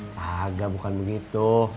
kagak bukan begitu